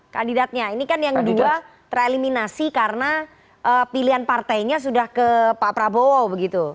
kandidatnya ini kan yang dua tereliminasi karena pilihan partainya sudah ke pak prabowo begitu